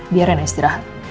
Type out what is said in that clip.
biar renna istirahat